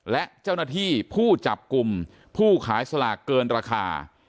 และเจ้าหน้าที่ผู้จับกลุ่มผู้ขายสลากเกินราคา